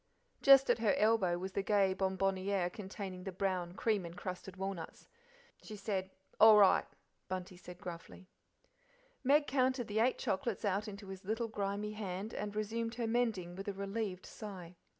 Just at her elbow was the gay bonbonniere containing the brown, cream encrusted walnuts. "She said, 'All right,'" said Bunty gruffly. Meg counted the eight chocolates out into his little grimy hand, and resumed her mending with a relieved sigh.